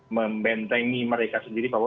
membentengi mereka sendiri bahwa